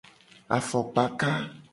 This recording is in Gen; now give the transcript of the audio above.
Afokpaka.